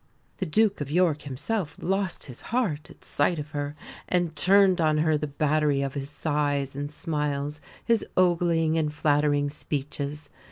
The Duke of York himself lost his heart at sight of her, and turned on her the battery of his sighs and smiles, his ogling and flattering speeches.